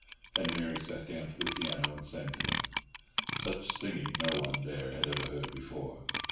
and Mary sat down to the piano and sang to them. Such singing no one there had ever heard before.